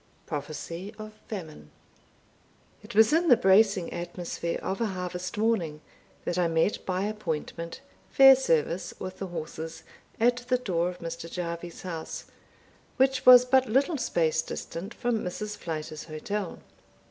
Prophecy of Famine. It was in the bracing atmosphere of a harvest morning, that I met by appointment Fairservice, with the horses, at the door of Mr. Jarvie's house, which was but little space distant from Mrs. Flyter's hotel.